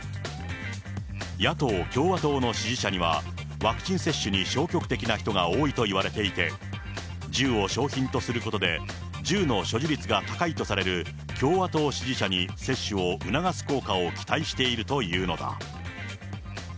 野党・共和党の支持者にはワクチン接種に消極的な人が多いと言われていて、銃を賞品とすることで、銃の所持率が高いとされる共和党支持者に接種を促す効果を期待しているというのだ。